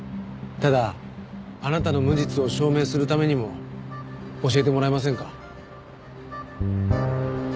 ただあなたの無実を証明するためにも教えてもらえませんか？